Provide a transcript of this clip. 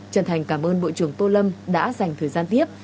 trần thành cảm ơn bộ trưởng tô lâm đã dành thời gian tiếp